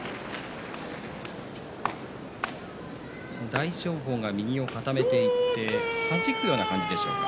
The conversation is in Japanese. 大翔鵬が右を固めていってはじくような形でしょうか。